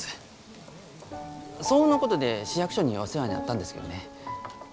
騒音のことで市役所にお世話になったんですけどね。